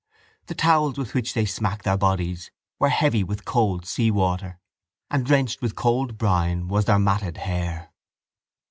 The towels with which they smacked their bodies were heavy with cold seawater; and drenched with cold brine was their matted hair.